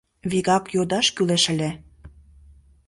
— Вигак йодаш кӱлеш ыле...